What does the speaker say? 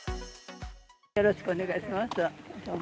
よろしくお願いします。